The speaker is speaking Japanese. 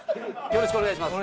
よろしくお願いします。